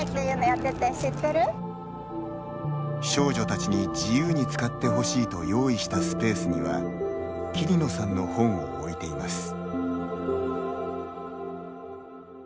少女たちに自由に使ってほしいと用意したスペースには桐野さんの本を置いています。